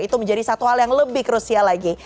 itu menjadi satu hal yang lebih krusial lagi